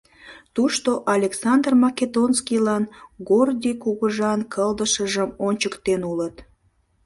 Тушто Александр Македонскийлан Гордий кугыжан кылдышыжым ончыктен улыт.